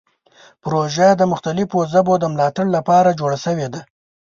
پروژه د مختلفو ژبو د ملاتړ لپاره جوړه شوې ده.